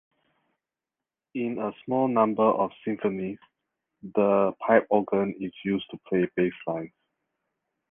In a small number of symphonies, the pipe organ is used to play basslines.